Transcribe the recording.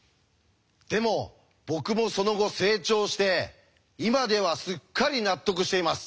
でも僕もその後成長して今ではすっかり納得しています。